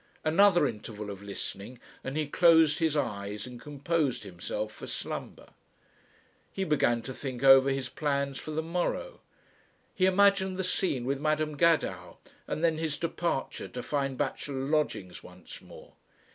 Another interval of listening and he closed his eyes and composed himself for slumber. He began to think over his plans for the morrow. He imagined the scene with Madam Gadow, and then his departure to find bachelor lodgings once more.